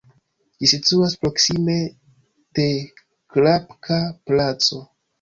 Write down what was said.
Ĝi situas proksime de Klapka-Placo.